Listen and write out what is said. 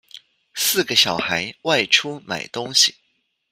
四個小孩外出買東西